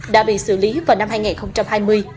đã bị xử lý vào năm hai nghìn hai mươi với những hành vi của mình